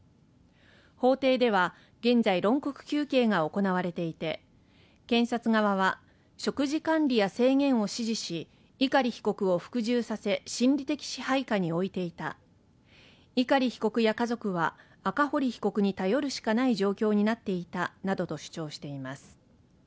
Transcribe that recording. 法廷では現在論告求刑が行われていて検察側は食事管理や制限を指示し碇被告を服従させ心理的支配下に置いていた碇被告や家族は赤堀被告に頼るしかない状況になっていたなどと主張しています